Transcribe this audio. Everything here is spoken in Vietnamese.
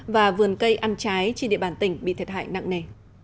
và vườn cây ăn trái trên địa bàn tỉnh bị thiệt hại nặng nề